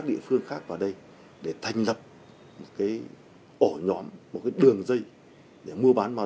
mặt khác tuân có nguồn hàng cực kỳ dồi dào